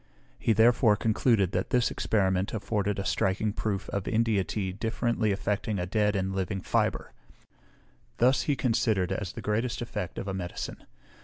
He therefore concluded, that this experiment afforded a striking proof of India tea differently affecting a dead and a living fibre; this he considered as the greatest effect of a medicine.